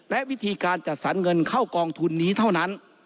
และวิธีการจัดสรรเงินเข้ากองทุนนี้เท่านั้น